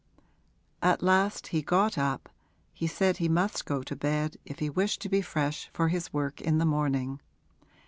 At last he got up he said he must go to bed if he wished to be fresh for his work in the morning.